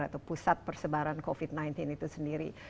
atau pusat persebaran covid sembilan belas itu sendiri